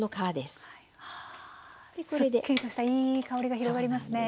すっきりとしたいい香りが広がりますね。